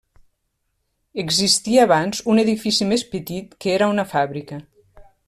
Existia abans un edifici més petit que era una fàbrica.